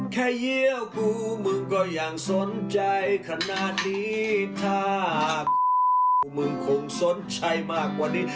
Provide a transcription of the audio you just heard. เยี่ยวกูมึงก็ยังสนใจขนาดนี้ถ้ากูมึงคงสนใจมากกว่านี้